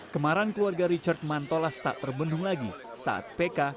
kemarahan keluarga richard mantolas tak terbendung lagi saat pk